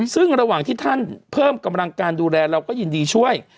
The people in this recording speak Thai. ซึ่งระหว่างที่ท่านเพิ่มกำลังการดูแลเราก็ยินดีช่วย